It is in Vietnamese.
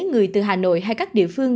người từ hà nội hay các địa phương